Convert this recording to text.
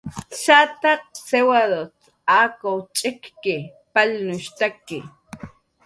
Shataq siwat akw ch'ikki palnushtaki